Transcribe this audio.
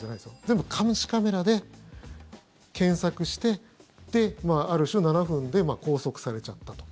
全部、監視カメラで検索してある種、７分で拘束されちゃったと。